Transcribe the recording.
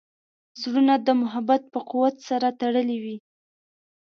زړونه د محبت په قوت سره تړلي وي.